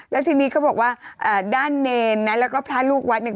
แล้วทีนี้เขาบอกว่าด้านเนรนะแล้วก็พระลูกวัดเนี่ย